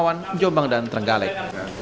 mawan jombang dan trenggalek